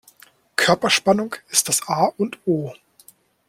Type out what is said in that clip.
Körperspannung ist das A und O.